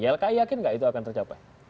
ylki yakin nggak itu akan tercapai